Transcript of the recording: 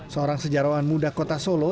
seorang sejarawan muda kota solo